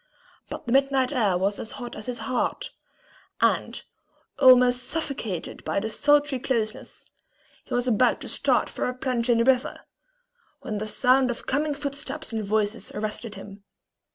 But the night air was as hot as his heart; and, almost suffocated by the sultry closeness, he was about to start for a plunge in the river, when the sound of coming footsteps and voices arrested him.